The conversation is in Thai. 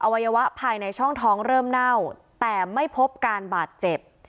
วัยวะภายในช่องท้องเริ่มเน่าแต่ไม่พบการบาดเจ็บ